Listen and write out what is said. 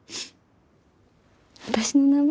私の名前？